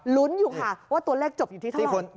ลุ้นอยู่ค่ะว่าตัวเลขจบอยู่ที่เท่าไหร่